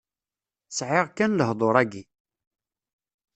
Sɛiɣ kan lehḍur-agi.